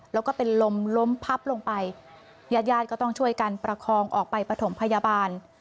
แล้วก็เป็นลมล้มพับลงไปญาติญาติก็ต้องช่วยกันประคองออกไปปฐมพยาบาล